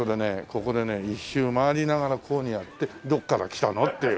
ここでね１周回りながらこういうふうにやってどっから来たのっていう。